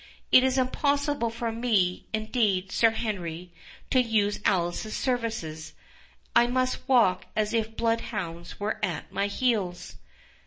"It is impossible for me, indeed, Sir Henry, to use Alice's services—I must walk as if blood hounds were at my heels."